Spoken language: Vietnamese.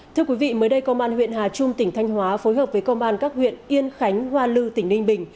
thưa quý vị mới đây công an huyện hà trung tỉnh thanh hóa phối hợp với công an các huyện yên khánh hoa lư tỉnh ninh bình